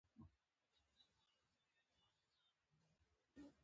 ما وویل، ما ته معلوم نه دی، جمعه خان انتخاب کړی.